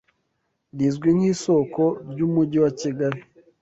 rizwi nk’isoko ry’Umujyi wa Kigali